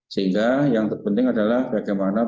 sehingga yang terpenting adalah bagaimana perilaku manusia